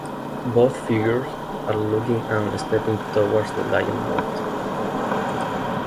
Both figures are looking and stepping towards the lion-monster.